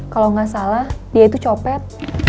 kalau nggak salah dia itu copet